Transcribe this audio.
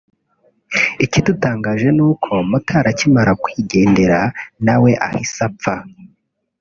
ikidutangaje ni uko motari akimara kwigendera na we ahise apfa